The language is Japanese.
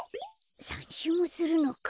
３しゅうもするのか。